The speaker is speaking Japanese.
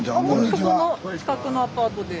そこの近くのアパートで。